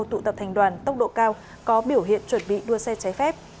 tụ tập thành đoàn tốc độ cao có biểu hiện chuẩn bị đua xe trái phép